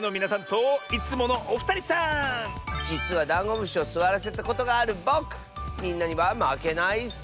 じつはダンゴムシをすわらせたことがあるぼくみんなにはまけないッス！